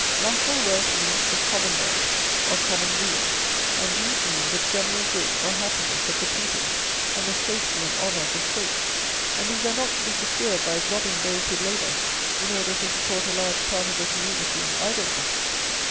National Wealth means the Commonwealth or Commonweal; and these mean, the general good, or happiness, of the people, and the safety and honour of the state; and these are not to be secured by robbing those who labour, in order to support a large part of the community in idleness.